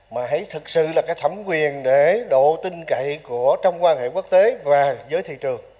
mà hãy thực sự là cái thẩm quyền để độ tin cậy của trong quan hệ quốc tế và giới thị trường